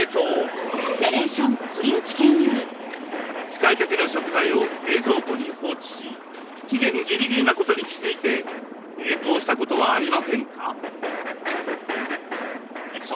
使いかけの食材を冷蔵庫に放置し期限ギリギリなことに気付いて冷凍したことはありませんか？